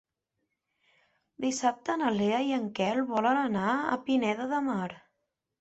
Dissabte na Lea i en Quel volen anar a Pineda de Mar.